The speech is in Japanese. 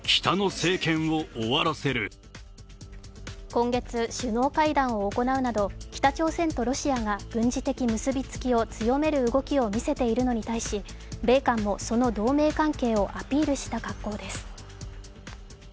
今月、首脳会談を行うなど北朝鮮とロシアが軍事的結びつきを強める動きを見せているのに対し、米韓もその同盟関係をアピールした格好です。